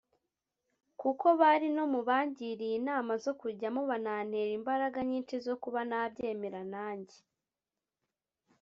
kuko bari no mu bangiriye inama zo kujyamo banantera imbaraga nyinshi zo kuba nabyemera nanjye